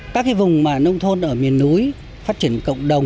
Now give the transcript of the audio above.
các vùng nông thôn ở miền núi phát triển cộng đồng